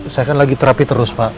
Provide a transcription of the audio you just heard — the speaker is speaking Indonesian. saya kan lagi terapi terus pak